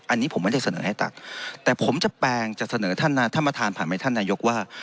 อันนี้ผมไม่ได้เสนอให้ตัดแต่ผมจะแปลงจะเสนอท่านท่านประธานผ่านไปท่านนายกว่า